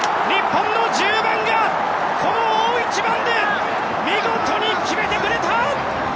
日本の１０番がこの大一番で見事に決めてくれた！